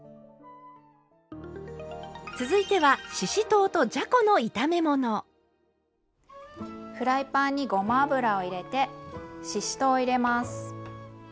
続いてはフライパンにごま油を入れてししとうを入れます。